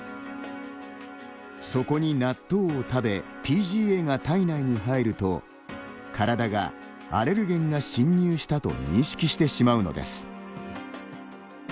そこに、納豆を食べＰＧＡが体内に入ると体がアレルゲンが侵入したと認識してしまうのです。